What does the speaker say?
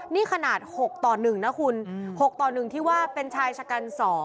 นี่ขนาด๖ต่อ๑นะคุณ๖ต่อ๑ที่ว่าเป็นชายชะกัน๒